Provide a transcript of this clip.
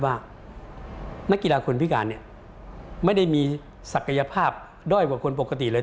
ว่านักกีฬาคนพิการเนี่ยไม่ได้มีศักยภาพด้อยกว่าคนปกติเลย